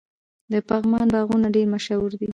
د پغمان باغونه ډیر مشهور دي.